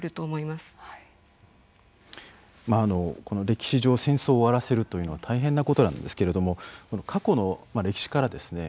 まああのこの歴史上戦争を終わらせるというのは大変なことなんですけれども過去の歴史からですね